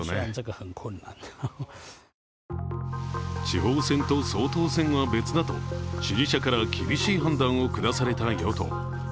地方選と総統選は別だと支持者から厳しい判断を下された与党。